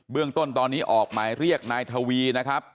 เรื่องต้นตอนนี้ออกหมายเรียกนายทวีนะครับ